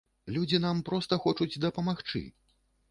Людзі нам проста хочуць дапамагчы!